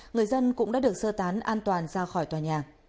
người dân cũng đã được sơ tán an toàn ra khỏi tòa nhà